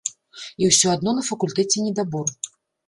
І ўсё адно на факультэце недабор.